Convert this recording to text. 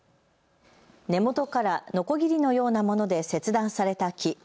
根元からのこぎりのようなもので切断された木。